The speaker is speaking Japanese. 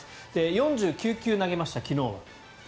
４９球投げました、昨日は。